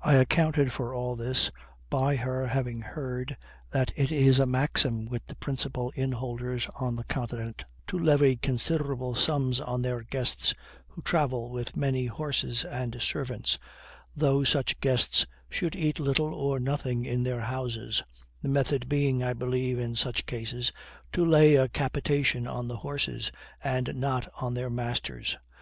I accounted for all this by her having heard, that it is a maxim with the principal inn holders on the continent, to levy considerable sums on their guests, who travel with many horses and servants, though such guests should eat little or nothing in their houses; the method being, I believe, in such cases, to lay a capitation on the horses, and not on their masters.